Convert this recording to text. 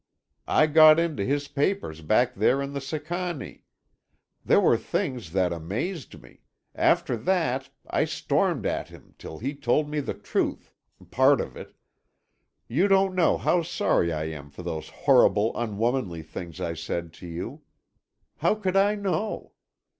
I got into his papers back there on the Sicannie. There were things that amazed me—after that—I stormed at him till he told me the truth; part of it. You don't know how sorry I am for those horrible, unwomanly things I said to you. How could I know?